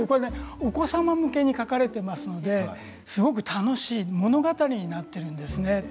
お子様向けに書かれていますのですごく楽しい物語になっているんです。